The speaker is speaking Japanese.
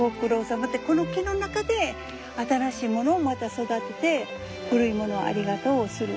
この木の中で新しいものをまた育てて古いものをありがとうする。